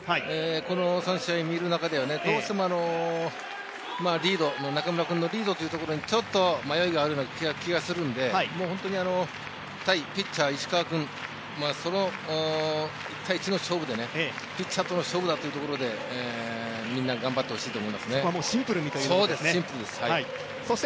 この３試合見る中では、どうしても中村君のリードというところにちょっと迷いがあるような気がするので本当に対ピッチャー石川君、その１対１の勝負でね、ピッチャーとの勝負だというところでみんな頑張ってほしいと思いますね。